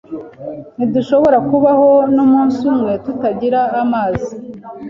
Ntidushobora kubaho n'umunsi umwe tutagira amazi.